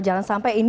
jangan sampai ini